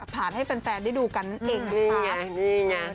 ผ่านให้แฟนได้ดูกันอีกนะครับนี่อย่างนี้